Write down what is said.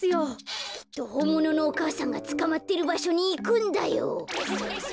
きっとほんもののお母さんがつかまってるばしょにいくんだよ。